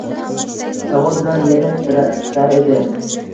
Savol bilan yerni titratar edi: